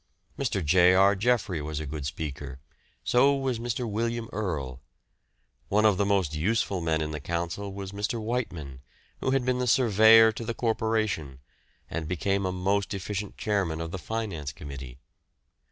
Mr. J. R. Jeffery was a good speaker, so was Mr. William Earle. One of the most useful men in the Council was Mr. Weightman, who had been the Surveyor to the Corporation, and became a most efficient Chairman of the Finance Committee.